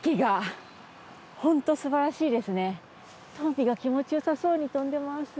トンビが気持ちよさそうに飛んでます。